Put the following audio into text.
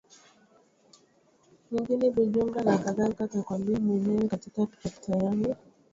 mjini Bujumbura nakadhalika atakwambia Mwenyewe katika pita pita yangu pembezoni mwa jiji la